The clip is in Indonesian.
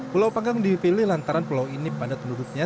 pulau panggang dipilih lantaran pulau ini pada tenudutnya